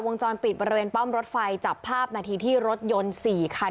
วงจรปิดบริเวณป้อมรถไฟจับภาพนาทีที่รถยนต์๔คัน